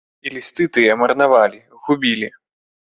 І лісты тыя марнавалі, губілі.